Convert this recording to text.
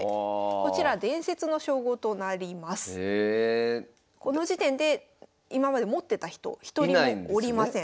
この時点で今まで持ってた人一人もおりません。